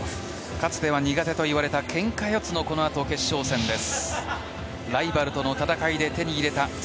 かつては苦手といわれたけんか四つの決勝戦です。